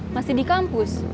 masih di kampus